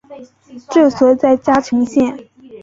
治所在嘉诚县。